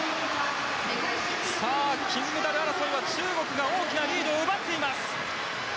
金メダル争いは中国が大きなリードを奪っています。